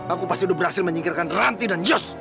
aku pasti udah berhasil menyingkirkan ranti dan jos